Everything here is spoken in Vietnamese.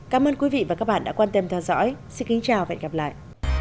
cảm ơn quý vị và các bạn đã quan tâm theo dõi xin kính chào và hẹn gặp lại